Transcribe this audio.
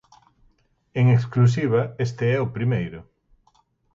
En exclusiva este é o primeiro.